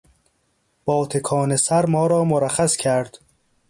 با تکان سر ما را مرخص کرد.